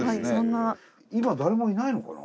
今誰もいないのかな？